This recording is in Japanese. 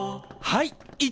はい。